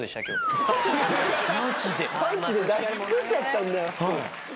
パンチで出し尽くしちゃったんだよ。